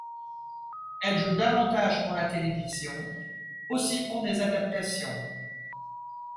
Elle joue davantage pour la télévision, aussi pour des adaptations.